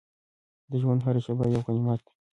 د ژوند هره شېبه یو غنیمت ده.